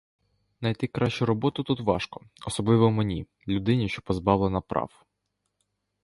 Найти кращу роботу тут важко, особливо мені, людині, що позбавлена прав.